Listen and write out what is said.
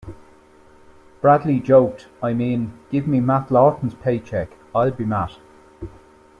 Bradley joked, I mean, give me Matt Lawton's paycheck...I'll be Matt.